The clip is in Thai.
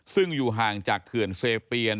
ซึ่งอยู่ห่างจากเขื่อนเซเปียน